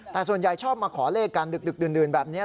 แต่ส่วนใหญ่ชอบมาขอเลขกันดึกดื่นแบบนี้